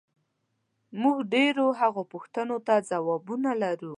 موږ ډېرو هغو پوښتنو ته ځوابونه لرو،